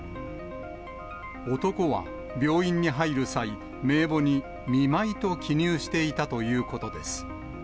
男は病院に入る際、名簿に見舞いと記入していたということです。